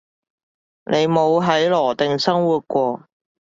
你冇喺羅定生活過